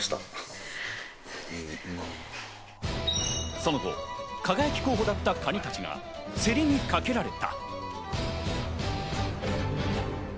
その後、輝候補だったかにたちが競りにかけられた。